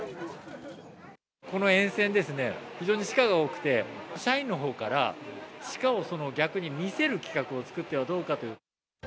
この沿線ですね、非常にシカが多くて、社員のほうから、シカを逆に見せる企画を作ってはどうかという。